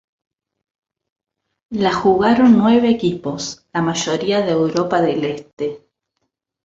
La jugaron nueve equipos, la mayoría de Europa del Este.